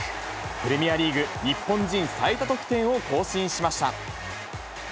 プレミアリーグ日本人最多得点を更新しました。